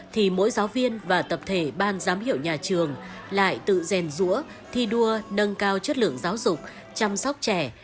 thì mỗi giáo viên và tập thể ban giám hiệu nhà trường lại tự rèn rũa thi đua nâng cao chất lượng giáo dục chăm sóc trẻ